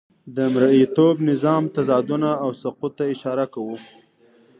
د مرئیتوب نظام تضادونه او سقوط ته اشاره کوو.